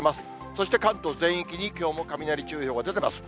そして関東全域にきょうも雷注意報が出てます。